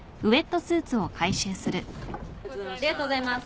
ありがとうございます。